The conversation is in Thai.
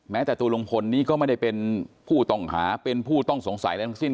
แต่ตัวลุงพลนี้ก็ไม่ได้เป็นผู้ต้องหาเป็นผู้ต้องสงสัยอะไรทั้งสิ้น